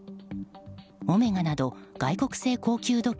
オメガなど外国製高級時計